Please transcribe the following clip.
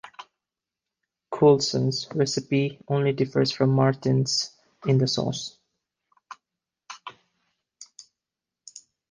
Coulson's recipe only differs from Martin's in the sauce.